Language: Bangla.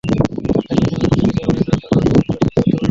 তারা সহিষ্ণুতার রাজনীতি করে না, কারও সমালোচনা সহ্য করতে পারে না।